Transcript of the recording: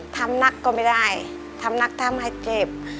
ทำนักก็ไม่ได้ทำมาไม่เจ็บ